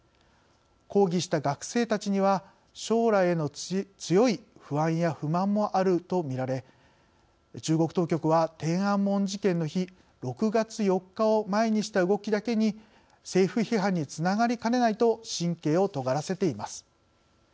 抗議した学生たちには将来への強い不安や不満もあるとみられ、中国当局は天安門事件の日６月４日を前にした動きだけに政府批判につながりかねないと神経をとがらせています。